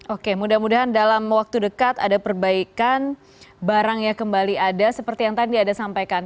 oke mudah mudahan dalam waktu dekat ada perbaikan barangnya kembali ada seperti yang tadi ada sampaikan